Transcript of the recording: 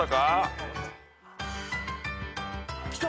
きた！